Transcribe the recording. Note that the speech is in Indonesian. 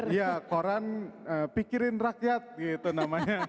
iya koran pikirin rakyat gitu namanya